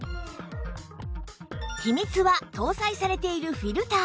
秘密は搭載されているフィルター